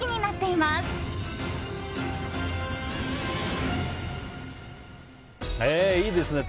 いいですね。